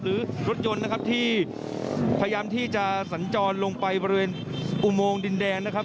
และตามรถมาไปฝูงพี่ไปข้างหนึ่งนะครับ